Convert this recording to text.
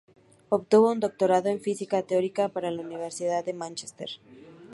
Obtuvo un doctorado en física teórica por la Universidad de Mánchester.